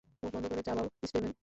মুখ বন্ধ করে চাবাও, স্টিভেন।